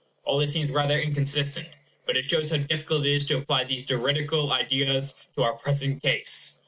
All this seems rather inconsistent; but it shows how difficult it is to apply these juridical ideas to our present case.